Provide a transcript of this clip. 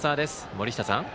森下さん。